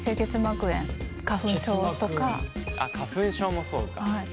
例えばあっ花粉症もそうか。